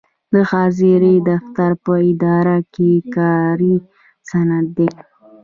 د حاضرۍ دفتر په اداره کې کاري سند دی.